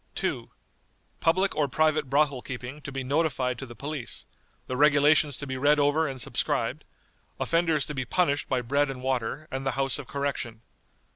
"2. Public or private brothel keeping to be notified to the police; the regulations to be read over and subscribed; offenders to be punished by bread and water, and the House of Correction.